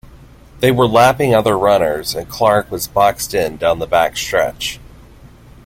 They were lapping other runners, and Clarke was boxed in down the backstretch.